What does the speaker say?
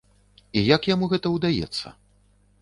І як яму гэта ўдаецца?